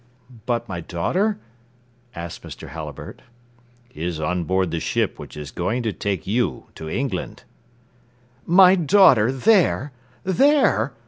"But my daughter ?" asked Mr. Halliburtt. "Is on board the ship which is going to take you to England." "My daughter there! there!"